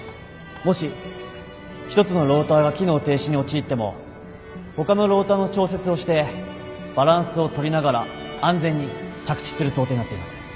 もし一つのローターが機能停止に陥ってもほかのローターの調節をしてバランスを取りながら安全に着地する想定になっています。